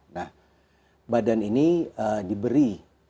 nah badan ini diberi